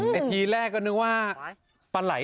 แสดงความรู้สึกเลยให้คุณผู้ชมด้วย